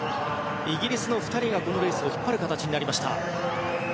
イギリスの２人がこのレースを引っ張る形。